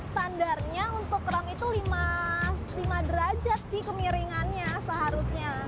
standarnya untuk kerang itu lima derajat sih kemiringannya seharusnya